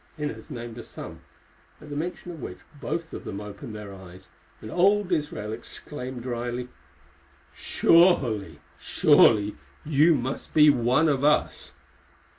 Inez named a sum, at the mention of which both of them opened their eyes, and old Israel exclaimed drily: "Surely—surely you must be one of us."